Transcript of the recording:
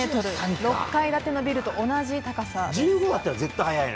６階建てのビルと同じ高さです。